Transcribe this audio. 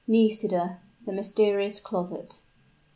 NISIDA THE MYSTERIOUS CLOSET.